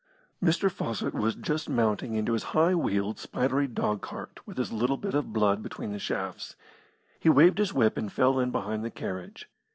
Mr. Fawcett was just mounting into his high wheeled, spidery dogcart, with his little bit of blood between the shafts. He waved his whip and fell in behind the carriage.